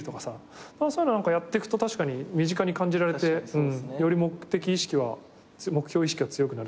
そういうのやっていくと確かに身近に感じられてより目的意識は目標意識が強くなる気はする。